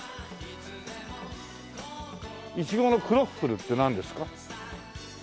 「いちごのクロッフル」ってなんですか？